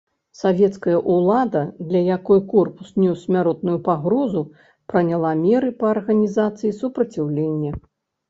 Савецкая ўлада, для якой корпус нёс смяротную пагрозу, прыняла меры па арганізацыі супраціўлення.